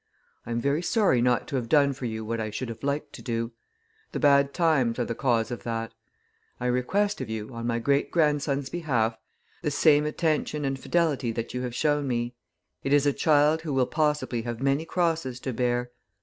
I am very sorry not to have done for you what I should have liked to do. The bad times are the cause of that. I request of you, on my great grandson's behalf, the same attention and fidelity that you have shown me. It is a child who will possibly have many crosses to bear.